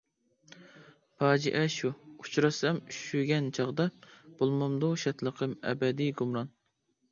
پاجىئە شۇ: ئۇچراتسام ئۈششۈگەن چاغدا، بولمامدۇ شادلىقىم ئەبەدىي گۇمران؟ !